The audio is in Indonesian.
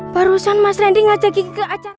barusan mas randy ngajakin ke acara